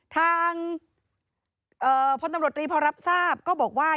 ทางพลตำรวจรีพอรับทราบก็บอกว่า